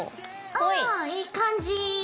うんいい感じ！